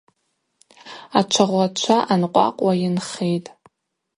Ачвагъвачва анкъвакъвуа йынхитӏ.